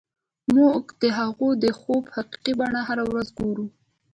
موږ د هغوی د خوب حقیقي بڼه هره ورځ ګورو